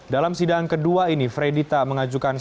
dalam sidang kedua ini freddy tak mengajukan